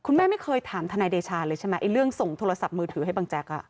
แม่ไม่เคยถามทนายเดชาเลยใช่ไหมไอ้เรื่องส่งโทรศัพท์มือถือให้บังแจ๊ก